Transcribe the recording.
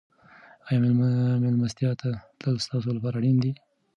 آیا مېلمستیا ته تلل ستاسو لپاره اړین دي؟